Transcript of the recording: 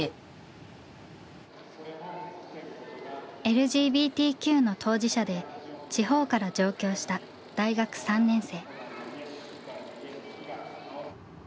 ＬＧＢＴＱの当事者で地方から上京した大学３年生。